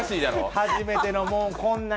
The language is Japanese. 初めてのこんなん